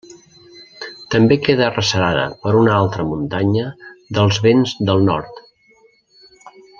També queda arrecerada per una altra muntanya dels vents del nord.